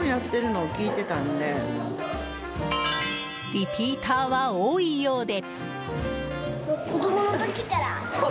リピーターは多いようで。